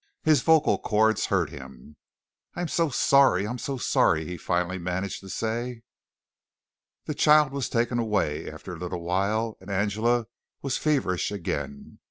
His vocal cords hurt him. "I'm so sorry. I'm so sorry," he finally managed to say. The child was taken away after a little while and Angela was feverish again.